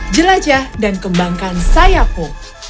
jelajah dan kembangkan sayapu